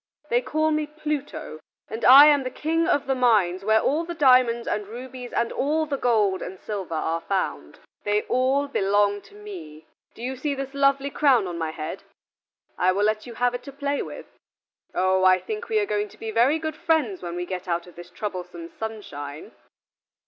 They call me Pluto, and I am the King of the mines where all the diamonds and rubies and all the gold and silver are found: they all belong to me. Do you see this lovely crown on my head? I will let you have it to play with. Oh, I think we are going to be very good friends when we get out of this troublesome sunshine."